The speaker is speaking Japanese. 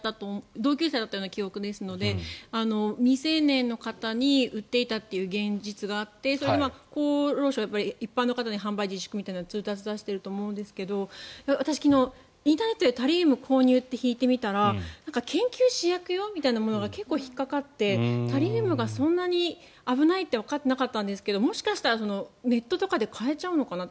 同級生だったという記憶ですので未成年の方に売っていたという現実があってそれで厚労省は一般の方に販売自粛みたいな通達を出していると思うんですけど私昨日インターネットでタリウム、購入って調べてみたら研究、試薬用って結構、引っかかってタリウムがそんなに危ないってわかってなかったんですけどもしかしたら、ネットとかで買えちゃうのかなと。